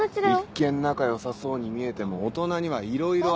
一見仲良さそうに見えても大人にはいろいろある。